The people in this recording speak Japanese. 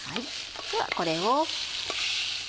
ではこれを。